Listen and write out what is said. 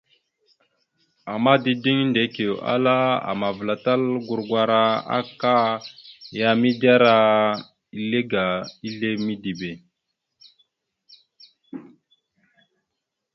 Ama dideŋ Ndekio ala amavəlal gurgwara aka ya midera ile aga izle midibe.